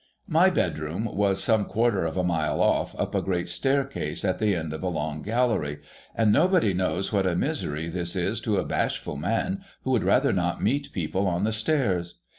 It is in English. My bedroom was some quarter of a mile off, up a great staircase at the end of a long gallery ; and nobody knows what a misery this is to a bashful man who would rather not meet people on the stairs.